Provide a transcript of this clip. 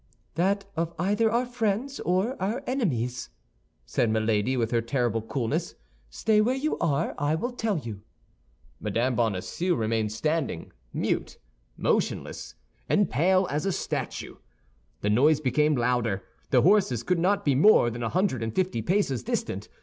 "That of either our friends or our enemies," said Milady, with her terrible coolness. "Stay where you are, I will tell you." Mme. Bonacieux remained standing, mute, motionless, and pale as a statue. The noise became louder; the horses could not be more than a hundred and fifty paces distant.